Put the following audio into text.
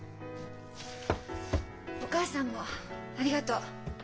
お母さんもありがとう。